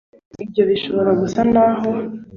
ibyo bishobora gusa n'aho